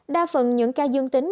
đa phần những ca dương tính